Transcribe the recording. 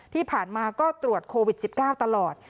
ที่ผ่านมาก็ตรวจโควิด๑๙ตลอด